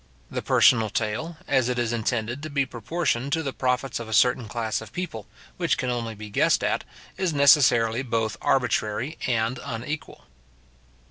The personal taille, as it is intended to be proportioned to the profits of a certain class of people, which can only be guessed at, is necessarily both arbitrary and unequal.